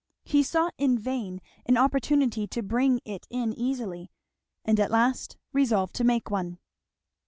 He sought in vain an opportunity to bring it in easily, and at last resolved to make one.